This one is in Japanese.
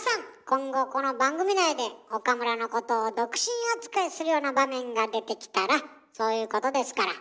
今後この番組内で岡村のことを独身扱いするような場面が出てきたらそういうことですから。